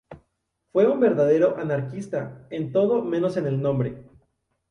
Fue un verdadero anarquista en todo menos en el nombre.